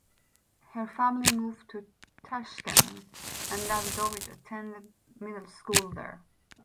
Her family moved to Tashkent and Davidovich attended middle school there.